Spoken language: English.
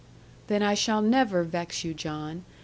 'Then I shall never vex you, John.